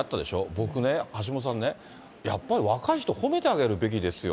僕ね、橋下さんね、やっぱ、若い人ほめてあげるべきですよ。